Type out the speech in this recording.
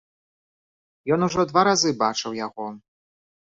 Ён ужо два разы бачыў яго!